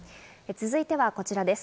続いてはこちらです。